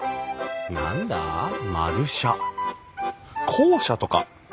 校舎とか？